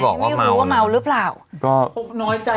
สุดท้ายสุดท้าย